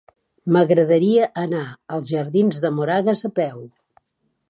M'agradaria anar als jardins de Moragas a peu.